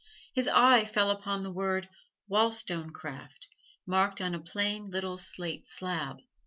His eye fell upon the word "Wollstonecraft," marked on a plain little slate slab.